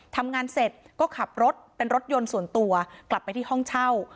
ทำงานเสร็จก็ขับรถเป็นรถยนต์ส่วนตัวกลับไปที่ห้องเช่า